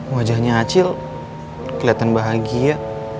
wajahnya acil keliatan bahagia